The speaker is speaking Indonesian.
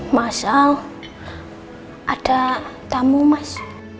mas al ada tamu mas